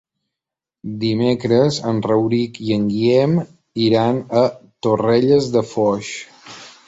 Dimecres en Rauric i en Guillem iran a Torrelles de Foix.